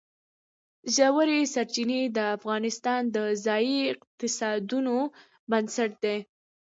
ژورې سرچینې د افغانستان د ځایي اقتصادونو بنسټ دی.